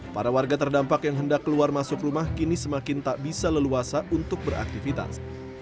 para warga terdampak yang hendak keluar masuk rumah kini semakin tak bisa leluasa untuk beraktivitas